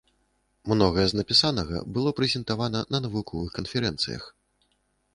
Многае з напісанага было прэзентавана на навуковых канферэнцыях.